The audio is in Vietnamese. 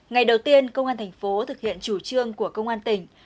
ngày đầu tiên công an thành phố thực hiện chủ trương của công an tỉnh